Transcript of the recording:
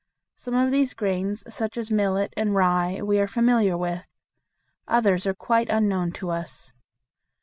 Some of these grains, such as millet and rye, we are familiar with; others are quite unknown to us.